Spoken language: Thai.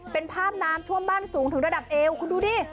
เป็นภาพน้ำท่วมบ้านสูงถึงระดับเอวคุณดูดิ